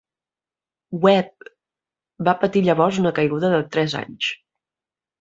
Webb va patir llavors una caiguda de tres anys.